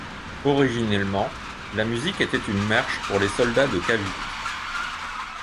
Originellement, la musique était une marche pour les soldats de Cavite.